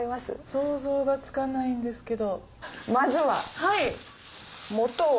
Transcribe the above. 想像がつかないんですけど。